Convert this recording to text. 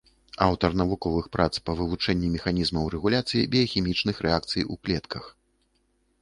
Аўтар навуковых прац па вывучэнні механізмаў рэгуляцыі біяхімічных рэакцый у клетках.